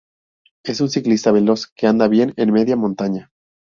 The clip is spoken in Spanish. Es un ciclista veloz que anda bien en media montaña.